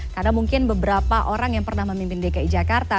karena mungkin beberapa orang yang pernah memimpin dki jakarta